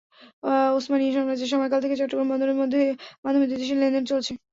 ওসমানিয়া সাম্রাজ্যের সময়কাল থেকে চট্টগ্রাম বন্দরের মাধ্যমে দুই দেশের লেনদেন চলছে।